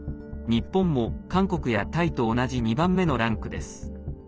日本も韓国やタイと同じ２番目のランクです。